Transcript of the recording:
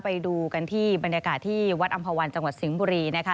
ไปดูกันที่บรรยากาศที่วัดอำภาวันจังหวัดสิงห์บุรีนะคะ